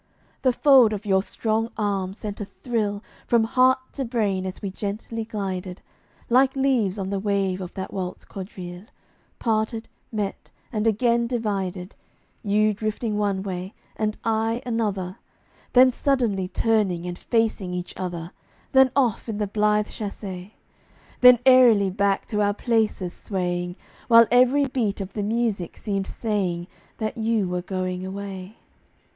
The fold of your strong arm sent a thrill From heart to brain as we gently glided Like leaves on the wave of that waltz quadrille; Parted, met, and again divided You drifting one way, and I another, Then suddenly turning and facing each other, Then off in the blithe chasse, Then airily back to our places swaying, While every beat of the music seemed saying That you were going away.